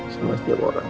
sama setiap orang